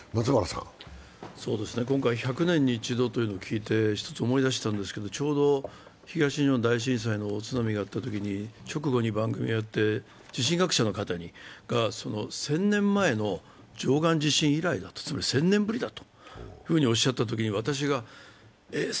今回１００年に一度というのを聞いて、一つ思い出したんですけど、ちょうど東日本大震災の津波があったときに、直後に番組をやって、地震学者の方が１０００年前の貞観地震以来だと、つまり１０００年ぶりだとおっしゃったときに、私が、え？